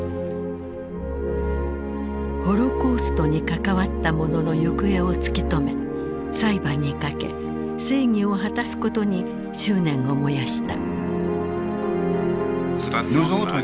ホロコーストに関わった者の行方を突き止め裁判にかけ正義を果たすことに執念を燃やした。